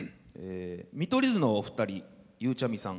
「見取り図のお二人ゆうちゃみさん